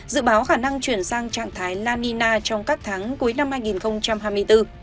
dự báo khả năng chuyển sang trạng thái lanina trong các tháng cuối năm hai nghìn hai mươi bốn